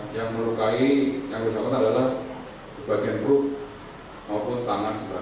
yang melukai yang disokot adalah sebagian buk maupun tangan sebelah kanan